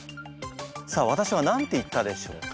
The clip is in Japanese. さあ私は何て言ったでしょうか？